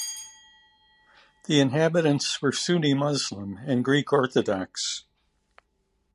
The inhabitants were Sunni Muslim and Greek Orthodox.